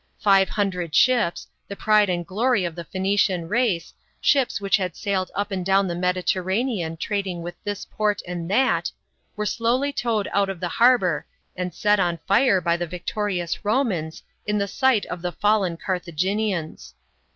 Five hundred ships the pride and glory of the Phoenician race, ships which had sailed up and down the Mediterranean trading with this port and that were slowly towed out of the harbour and set on fire by the victorious Romans, in the sight of the fallen* Carthaginians.